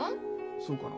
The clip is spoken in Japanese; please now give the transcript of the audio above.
そうかな？